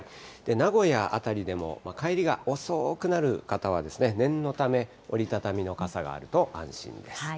名古屋辺りでも、帰りが遅くなる方は、念のため、折り畳みの傘があると安心です。